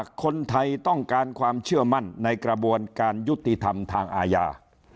คนไทยต้องการความเชื่อมั่นในกระบวนการยุติธรรมทางอาญา